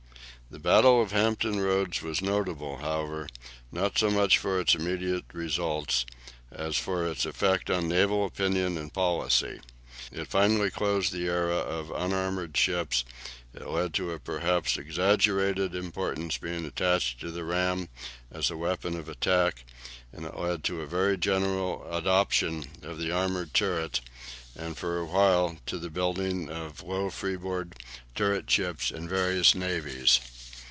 The battle of Hampton Roads was notable, however, not so much for its immediate results, as for its effect on naval opinion and policy. It finally closed the era of unarmoured ships; it led to a perhaps exaggerated importance being attached to the ram as a weapon of attack; and it led to a very general adoption of the armoured turret, and for a while to the building of low freeboard turret ships in various navies.